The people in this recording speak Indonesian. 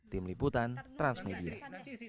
tim liputan transmedia